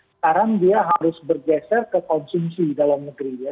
sekarang dia harus bergeser ke konsumsi dalam negeri ya